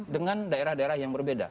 dengan daerah daerah yang berbeda